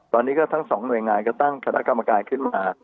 ตอนนี้ก็ทั้งสองหน่วยงานก็ตั้งคณะกรรมการขึ้นมา